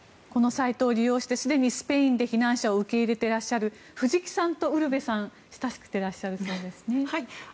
このサイトを利用してすでにスペインで避難者を受け入れてらっしゃる藤木さんとウルヴェさん親しくていらっしゃるそうですね。